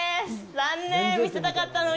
残念、見せたかったのに。